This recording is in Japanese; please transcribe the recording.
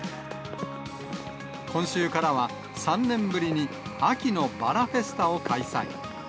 今週からは、３年ぶりに秋のバラフェスタを開催。